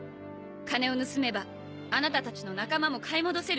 金を盗めばあなたたちの仲間も買い戻せる。